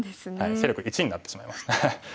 勢力１になってしまいました。